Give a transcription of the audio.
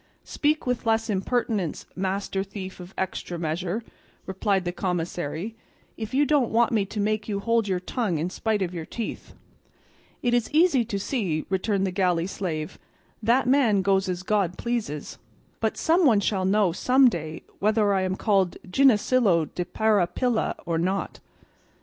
"Speak with less impertinence, master thief of extra measure," replied the commissary, "if you don't want me to make you hold your tongue in spite of your teeth." "It is easy to see," returned the galley slave, "that man goes as God pleases, but some one shall know some day whether I am called Ginesillo de Parapilla or not."